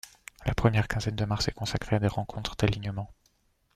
La première quinzaine de mars est consacrée à des rencontres d'alignements.